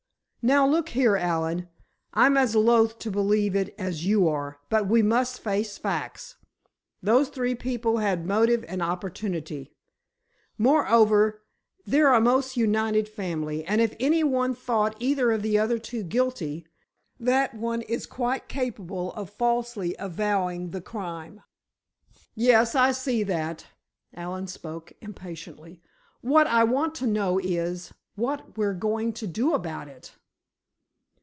Now, look here, Allen, I'm as loath to believe it as you are, but we must face facts. Those three people had motive and opportunity. Moreover, they're a most united family, and if any one thought either of the other two guilty, that one is quite capable of falsely avowing the crime." "Yes—I see that"—Allen spoke impatiently. "What I want to know is, what we're going to do about it?"